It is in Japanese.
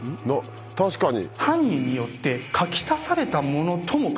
確かに。